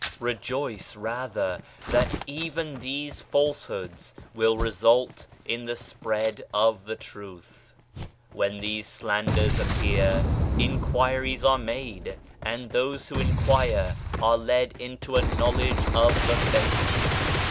Rejoice rather, that even these falsehoods will result in the spread of the Truth. When these slanders appear inquiries are made, and those who in quire are led into a knowledge of the Faith.